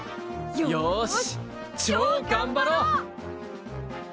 よしちょうがんばろう！